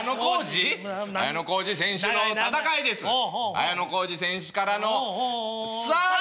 綾小路選手からのサーブ！